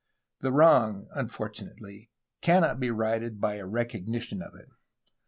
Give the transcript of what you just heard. . The wrong, unfortunately, cannot be righted by a recognition of it .